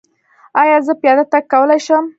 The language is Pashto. ایا زه پیاده تګ کولی شم؟